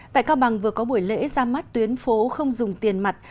tại cao bằng vừa có buổi lễ ra mắt tuyến phố không dùng tiền mặt